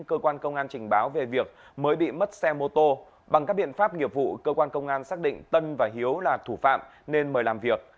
cơ quan công an trình báo về việc mới bị mất xe mô tô bằng các biện pháp nghiệp vụ cơ quan công an xác định tân và hiếu là thủ phạm nên mời làm việc